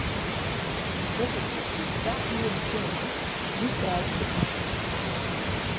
Fûgeltsjes dy't sa ier sjonge, dy krijt de kat.